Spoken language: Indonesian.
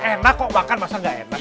enak kok makan masa gak enak